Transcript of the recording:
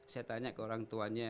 saya tanya ke orang tuanya